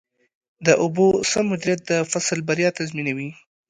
د اوبو سم مدیریت د فصل بریا تضمینوي.